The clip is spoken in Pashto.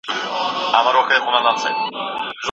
د نجونو ښوونځي باید په ټول هېواد کي فعال پاته سي.